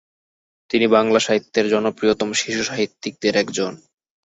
তিনি বাংলা সাহিত্যের জনপ্রিয়তম শিশুসাহিত্যিকদের একজন।